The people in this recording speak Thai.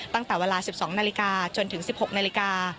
ตั้งแต่เวลา๑๒นาฬิกาจนถึง๑๖นาฬิกา